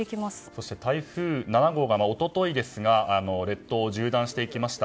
そして台風７号が一昨日ですが列島を縦断していきました。